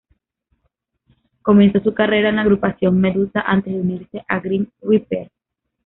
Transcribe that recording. Comenzó su carrera en la agrupación Medusa, antes de unirse a Grim Reaper.